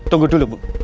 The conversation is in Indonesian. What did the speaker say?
tunggu dulu bu